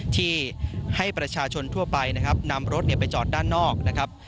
ที่ให้ประชาชนทั่วไปนะครับนำรถไปจอดด้านนอกนะครับ